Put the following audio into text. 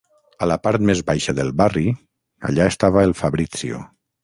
A la part més baixa del barri allà estava el Fabrizio.